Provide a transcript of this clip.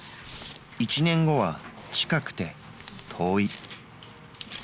１年後は近くて遠い。